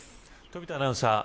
飛田アナウンサー